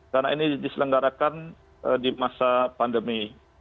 karena ini diselenggarakan di masa pandemi